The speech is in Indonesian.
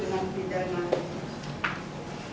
dua menggantikan pidana kepada anak